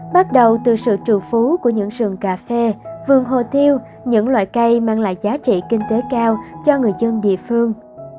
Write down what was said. bắt đầu từ sự trù phú của những sườn cà phê vườn hồ tiêu những loại cây mang lại giá trị kinh tế cao cho người dân địa phương